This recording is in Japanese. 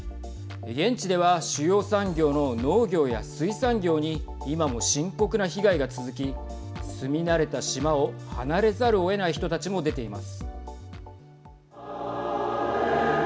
現地では主要産業の農業や水産業に今も深刻な被害が続き住み慣れた島を離れざるをえない人たちも出ています。